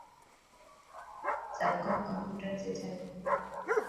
سب ڪم ڪمپيوٽر تي ٿي تو.